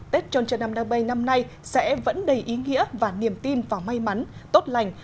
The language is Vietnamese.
tết trôn trần nam thờ mây năm nay sẽ vẫn đầy ý nghĩa và niềm tin vào may mắn tốt lành